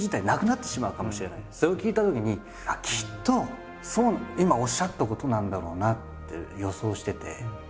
それを聞いたときにきっと今おっしゃったことなんだろうなって予想してて。